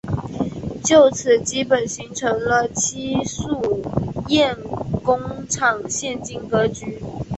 就此基本形成了戚墅堰工厂现今格局。